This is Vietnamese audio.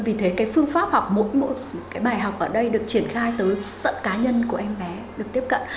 vì thế cái phương pháp học mỗi một cái bài học ở đây được triển khai tới tận cá nhân của em bé được tiếp cận